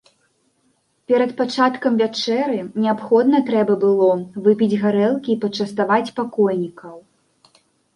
Перад пачаткам вячэры неабходна трэба было выпіць гарэлкі і пачаставаць пакойнікаў.